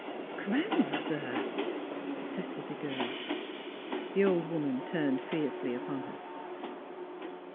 Gran 'mother! " protested the girl. The old woman turned fiercely upon her.